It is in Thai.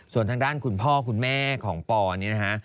ส่วนทางด้านคุณพ่อคุณแม่ของปอนี่นะฮะ